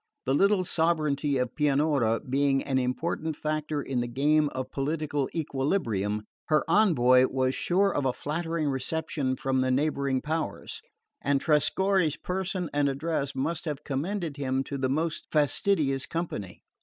The little sovereignty of Pianura being an important factor in the game of political equilibrium, her envoy was sure of a flattering reception from the neighbouring powers; and Trescorre's person and address must have commended him to the most fastidious company.